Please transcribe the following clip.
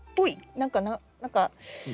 何か何か。